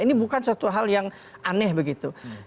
ini bukan suatu hal yang aneh begitu